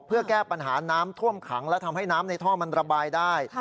เพื่อแก้ปัญหาน้ำท่วมขังและทำให้น้ำในท่อมันระบายได้